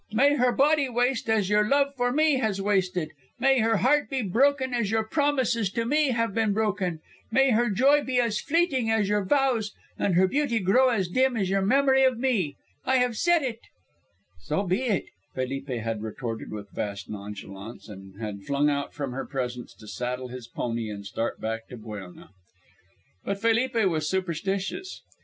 May her body waste as your love for me has wasted; may her heart be broken as your promises to me have been broken; may her joy be as fleeting as your vows, and her beauty grow as dim as your memory of me. I have said it." [Illustration: "'My Curse Is On Her Who Next Kisses You'"] "So be it!" Felipe had retorted with vast nonchalance, and had flung out from her presence to saddle his pony and start back to Buelna. But Felipe was superstitious.